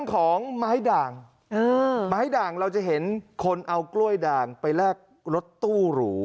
ของไม้ด่างไม้ด่างเราจะเห็นคนเอากล้วยด่างไปแลกรถตู้หรู